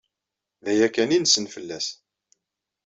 D aya kan i nessen fell-as.